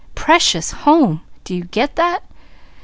'Precious home!' Do you get that?